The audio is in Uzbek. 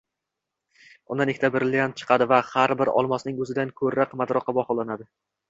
Undan ikkita brilliant chiqadi va har biri olmosning oʻzidan koʻra qimmatroqqa baholanadi